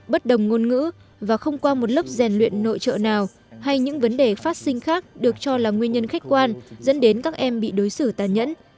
bất đồng ngôn ngữ và không qua một lớp rèn luyện nội trợ nào hay những vấn đề phát sinh khác được cho là nguyên nhân khách quan dẫn đến các em bị đối xử tàn nhẫn